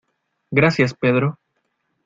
Gracias, Pedro.